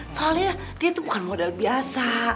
soalnya dia tuh bukan model biasa